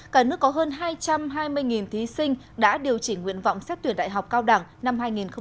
cả nước có hơn hai trăm hai mươi thí sinh đã điều chỉnh nguyện vọng xét tuyển đại học cao đẳng năm hai nghìn một mươi chín